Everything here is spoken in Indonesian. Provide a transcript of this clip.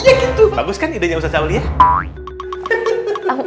ya gitu bagus kan idenya ustaz ali ya